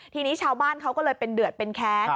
ทีนี้ชาวบ้านเขาก็เลยเป็นเดือดเป็นแค้น